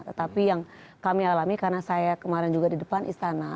tetapi yang kami alami karena saya kemarin juga di depan istana